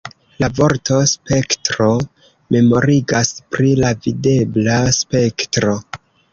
La vorto ""spektro"" memorigas pri la videbla spektro.